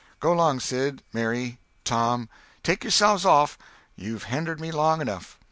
Go 'long Sid, Mary, Tom—take yourselves off—you've hendered me long enough."